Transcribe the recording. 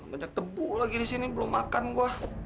banyak debu lagi di sini belum makan gua